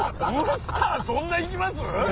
そんな行きます？